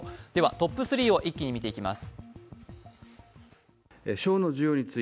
トップ３を一気に見ていきます。